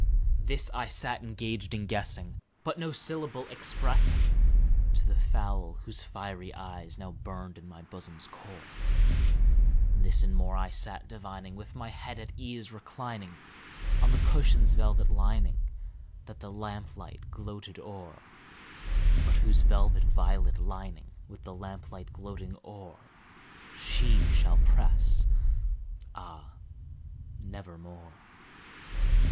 This I sat engaged in guessing, but no syllable expressing To the fowl whose fiery eyes now burned into my bosom's core; This and more I sat divining, with my head at ease reclining On the cushion's velvet lining that the lamplight gloated o'er, But whose velvet violet lining with the lamplight gloating o'er She shall press, ah, nevermore!